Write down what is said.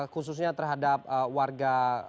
khususnya terhadap warga